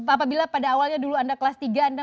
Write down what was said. apabila pada awalnya dulu anda kelas tiga anda